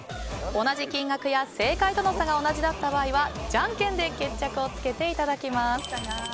同じ金額や正解との差が同じだった場合はじゃんけんで決着をつけていただきます。